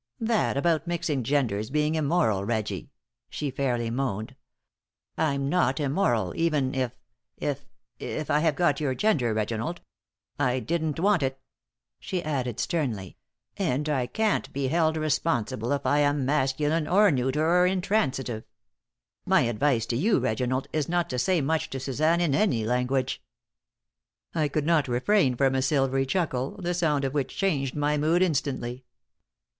"That about mixing genders being immoral, Reggie," she fairly moaned. "I'm not immoral, even if if if I have got your gender, Reginald. I didn't want it," she added, sternly, "and I can't be held responsible if I am masculine or neuter or intransitive. My advice to you, Reginald, is not to say much to Suzanne in any language." I could not refrain from a silvery chuckle, the sound of which changed my mood instantly.